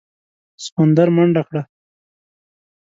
سخوندر منډه کړه.